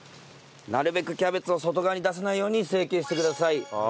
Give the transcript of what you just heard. なるべくキャベツを外側に出さないように成形してください。